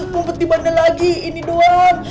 mumpet dimana lagi ini doang